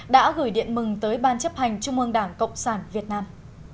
đã gửi điện mừng tới ban chấp hành trung ương đảng cộng sản việt nam